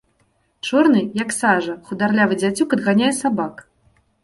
Чорны, як сажа, хударлявы дзяцюк адганяе сабак.